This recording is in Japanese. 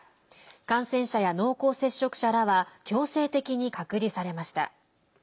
感染者や濃厚接触者らは強制的に隔離されました。